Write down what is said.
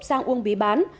sang uông bí bán